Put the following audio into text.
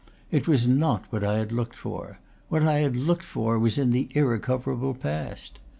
It was not what I had looked for; what I had looked for was in the irrecoverable past.